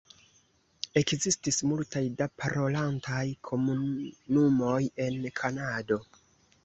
Ekzistis multaj da parolantaj komunumoj en Kanado.